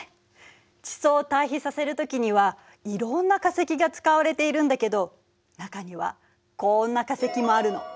地層を対比させるときにはいろんな化石が使われているんだけど中にはこんな化石もあるの。